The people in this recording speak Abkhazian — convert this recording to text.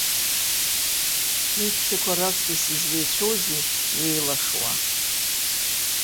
Иччақәо раҵкыс излеицәоузеи еилашуа?!